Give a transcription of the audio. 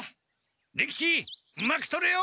利吉うまくとれよ！